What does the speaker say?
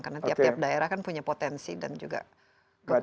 karena tiap tiap daerah kan punya potensi dan juga kekuatan